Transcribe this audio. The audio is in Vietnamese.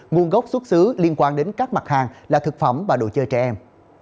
nguồn gốc xuất xứ liên quan đến các mặt hàng là thực phẩm và đồ chơi trẻ em